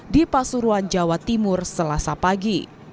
di pasuruan jawa timur selasa pagi